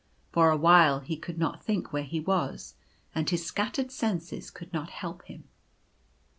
For awhile he could not think where he was ; and his scattered senses could not help him.